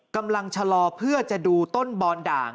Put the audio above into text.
กำลังชะลอเพื่อจะดูต้นบอนด่าง